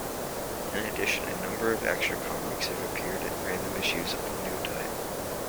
In addition, a number of extra comics have appeared in random issues of "Newtype".